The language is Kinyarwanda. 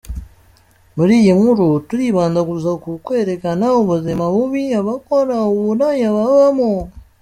Muri iyi nkuru turibanda gusa ku kwerekana ubuzima bubi abakora uburaya babamo.